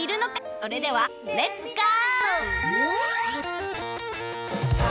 それではレッツゴー！